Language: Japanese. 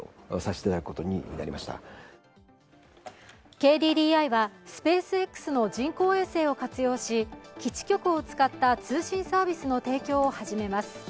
ＫＤＤＩはスペースＸの人工衛星を活用し基地局を使った通信サービスの提供を始めます。